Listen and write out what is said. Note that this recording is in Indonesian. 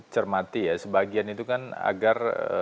cermati ya sebagian itu kan agar